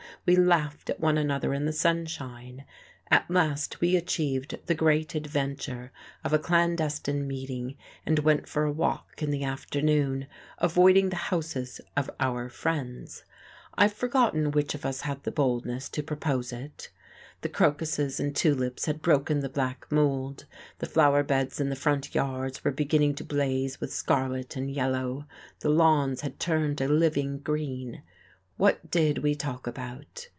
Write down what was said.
We laughed at one another in the sunshine.... At last we achieved the great adventure of a clandestine meeting and went for a walk in the afternoon, avoiding the houses of our friends. I've forgotten which of us had the boldness to propose it. The crocuses and tulips had broken the black mould, the flower beds in the front yards were beginning to blaze with scarlet and yellow, the lawns had turned a living green. What did we talk about?